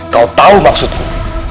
kau tahu maksudku